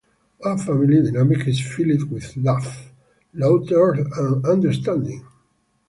Our family dynamic is filled with love, laughter, and understanding.